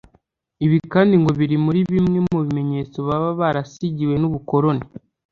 ibi kandi ngo biri muri bimwe mu bimenyetso baba barasigiwe n'ubukoroni